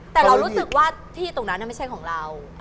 แต่เรารู้สึกว่าที่ตรงนั้นไม่ใช่ของเรา